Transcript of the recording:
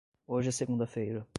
Hoje é segunda-feira.